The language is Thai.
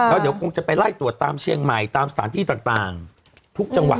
แล้วเดี๋ยวคงจะไปไล่ตรวจตามเชียงใหม่ตามสถานที่ต่างทุกจังหวัด